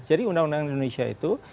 jadi undang undang indonesia itu